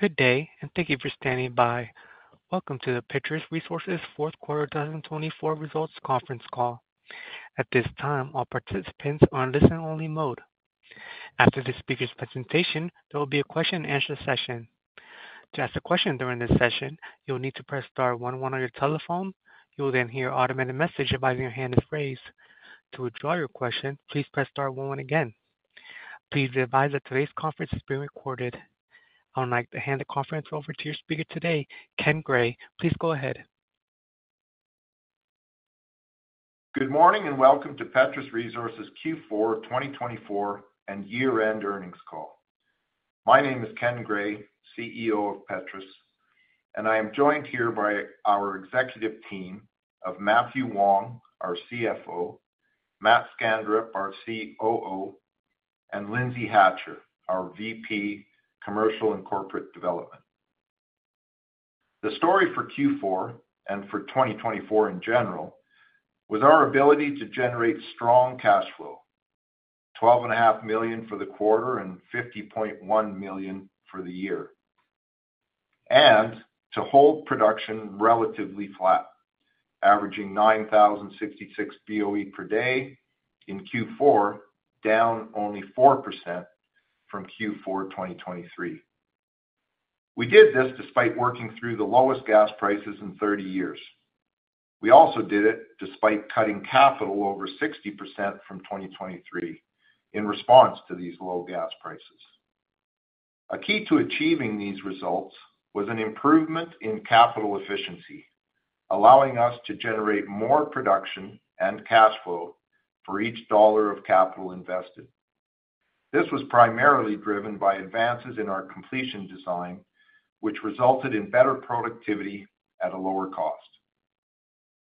Good day, and thank you for standing by. Welcome to the Petrus Resources Fourth Quarter 2024 results conference call. At this time, all participants are in listening-only mode. After this speaker's presentation, there will be a question-and-answer session. To ask a question during this session, you'll need to press star one one on your telephone. You will then hear an automated message advising you to hand this phrase. To withdraw your question, please press star one one again. Please advise that today's conference is being recorded. I would like to hand the conference over to your speaker today, Ken Gray. Please go ahead. Good morning and welcome to Petrus Resources Q4 2024 and Year-End Earnings Call. My name is Ken Gray, CEO of Petrus, and I am joined here by our executive team of Mathew Wong, our CFO; Matt Skanderup, our COO; and Lindsay Hatcher, our VP, Commercial and Corporate Development. The story for Q4 and for 2024 in general was our ability to generate strong cash flow: 12.5 million for the quarter and 50.1 million for the year, and to hold production relatively flat, averaging 9,066 BOE per day in Q4, down only 4% from Q4 2023. We did this despite working through the lowest gas prices in 30 years. We also did it despite cutting capital over 60% from 2023 in response to these low gas prices. A key to achieving these results was an improvement in capital efficiency, allowing us to generate more production and cash flow for each dollar of capital invested. This was primarily driven by advances in our completion design, which resulted in better productivity at a lower cost.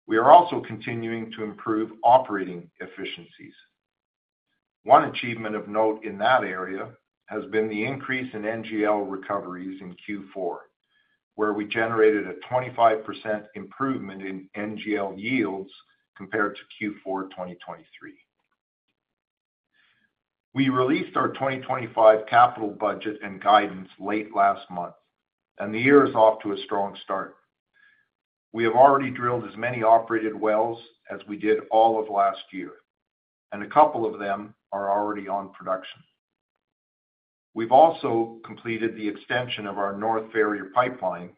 We are also continuing to improve operating efficiencies. One achievement of note in that area has been the increase in NGL recoveries in Q4, where we generated a 25% improvement in NGL yields compared to Q4 2023. We released our 2025 capital budget and guidance late last month, and the year is off to a strong start. We have already drilled as many operated wells as we did all of last year, and a couple of them are already on production. We've also completed the extension of our North Ferrier pipeline,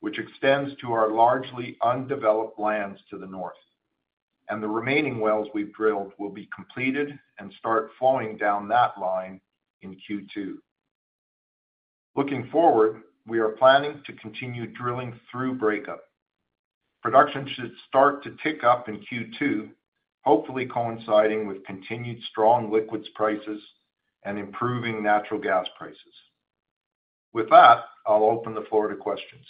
which extends to our largely undeveloped lands to the north, and the remaining wells we've drilled will be completed and start flowing down that line in Q2. Looking forward, we are planning to continue drilling through breakup. Production should start to tick up in Q2, hopefully coinciding with continued strong liquids prices and improving natural gas prices. With that, I'll open the floor to questions.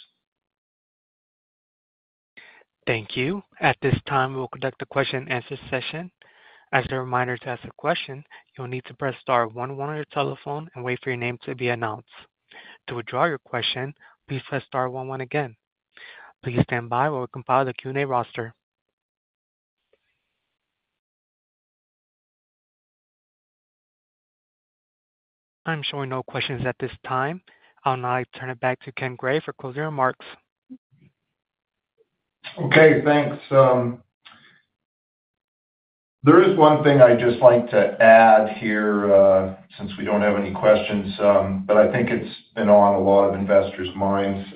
Thank you. At this time, we will conduct a question-and-answer session. As a reminder to ask a question, you'll need to press star one one on your telephone and wait for your name to be announced. To withdraw your question, please press star one one again. Please stand by while we compile the Q&A roster. I'm showing no questions at this time. I'll now turn it back to Ken Gray for closing remarks. Okay, thanks. There is one thing I'd just like to add here since we don't have any questions, but I think it's been on a lot of investors' minds.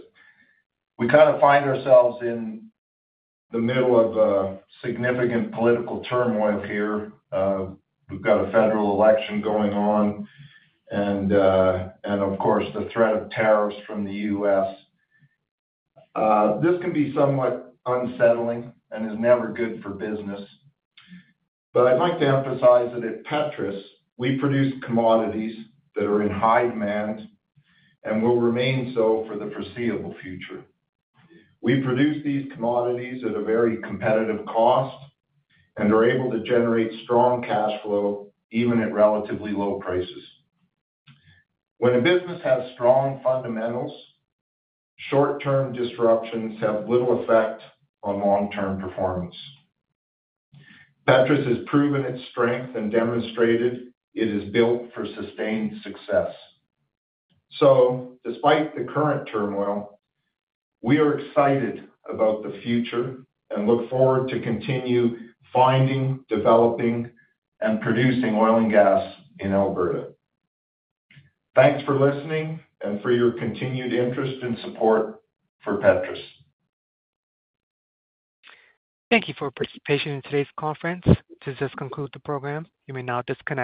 We kind of find ourselves in the middle of significant political turmoil here. We've got a federal election going on, and of course, the threat of tariffs from the U.S. This can be somewhat unsettling and is never good for business. I'd like to emphasize that at Petrus, we produce commodities that are in high demand and will remain so for the foreseeable future. We produce these commodities at a very competitive cost and are able to generate strong cash flow even at relatively low prices. When a business has strong fundamentals, short-term disruptions have little effect on long-term performance. Petrus has proven its strength and demonstrated it is built for sustained success. Despite the current turmoil, we are excited about the future and look forward to continuing finding, developing, and producing oil and gas in Alberta. Thanks for listening and for your continued interest and support for Petrus. Thank you for participating in today's conference. To just conclude the program, you may now disconnect.